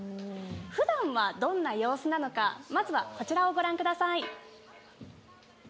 ふだんはどんな様子なのかまずはこちらをご覧ください。